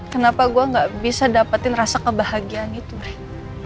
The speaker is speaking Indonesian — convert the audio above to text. kenapa gue gak bisa dapetin rasa kebahagiaan itu